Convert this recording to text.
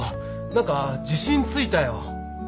何か自信ついたよ。